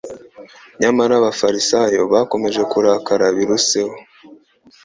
Nyamara Abafarisayo bakomeje kurakara biruseho.